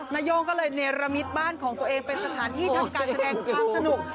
นายโย่งเนลมีสบานของตัวเองเป็นสถานที่ทำการแสดงคลาสนุก